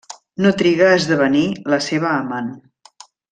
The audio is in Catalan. No triga a esdevenir la seva amant.